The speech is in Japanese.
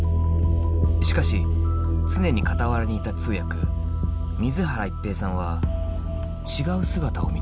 しかし常に傍らにいた通訳水原一平さんは違う姿を見ていた。